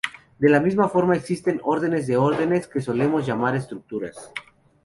De la misma forma, existen órdenes de órdenes, que solemos llamar estructuras.